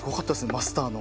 マスターの。